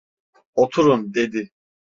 "Oturun!" dedi.